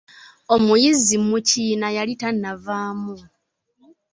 Omuyizi mu kiina yali tanavaamu.